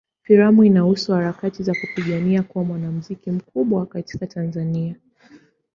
Filamu inahusu harakati za kupigania kuwa mwanamuziki mkubwa katika Tanzania.